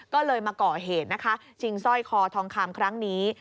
ก็เลยมาก่อเหตุนะคะชิงสร้อยคอทองคำครั้งนี้